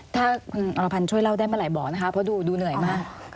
ถ้าคุณอรพันธ์ช่วยเล่าได้เมื่อไหร่บอกนะคะเพราะดูเหนื่อยมาก